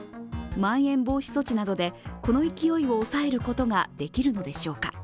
まん延防止措置などでこの勢いを抑えることができるのでしょうか。